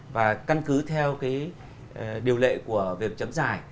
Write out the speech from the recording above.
và căn cứ theo điều lệ của việc chấm dài